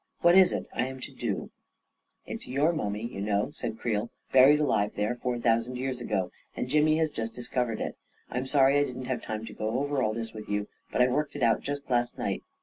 What is it I am to do ?"" It's your mummy, you know," said Creel, "buried alive there four thousand years ago, and Jimmy has just discovered it. I'm sorry I didn't have time to go over all this with you, but I worked it out just last night."